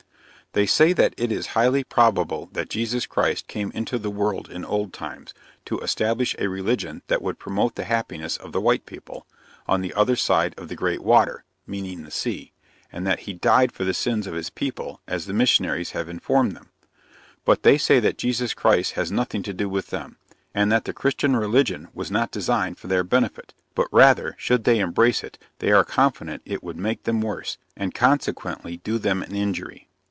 They say that it is highly probable that Jesus Christ came into the world in old times, to establish a religion that would promote the happiness of the white people, on the other side of the great water, (meaning the sea,) and that he died for the sins of his people, as the missionaries have informed them: But, they say that Jesus Christ had nothing to do with them, and that the Christian religion was not designed for their benefit; but rather, should they embrace it, they are confident it would make them worse, and consequently do them an injury.